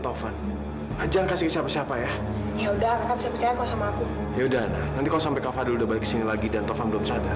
tovan aja kasih siapa siapa ya ya udah nanti kau sampai ke sini lagi dan tovan